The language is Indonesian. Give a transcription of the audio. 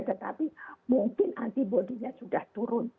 tetapi mungkin antibody nya sudah turun